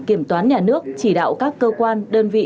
kiểm toán nhà nước chỉ đạo các cơ quan đơn vị